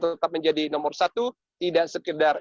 tetap menjadi nomor satu tidak sekedar